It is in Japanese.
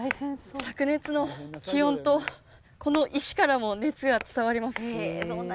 灼熱の気温とこの石からも熱が伝わります